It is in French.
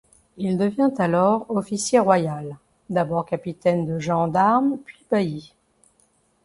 Il devient alors officier royal, d'abord capitaine de gens d'armes puis bailli.